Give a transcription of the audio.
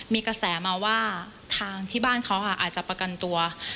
มีกระแสมาว่าทางที่บ้านเขาอาจจะประกันตัว